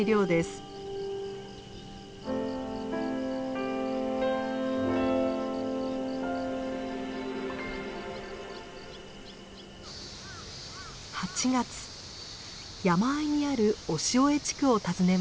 山あいにある小塩江地区を訪ねました。